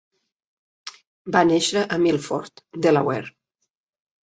Va néixer a Milford, Delaware.